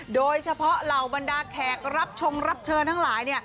โดยเฉพาะเหล่าบรรดาแขกรับชงรับเชิญทั้งหลาย